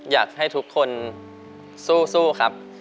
อยากให้ทุกคนสู้ครับ